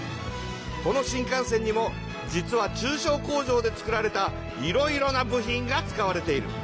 この新幹線にも実は中小工場でつくられたいろいろな部品が使われている。